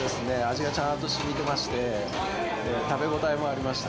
味がちゃんとしみてまして、食べ応えもありました。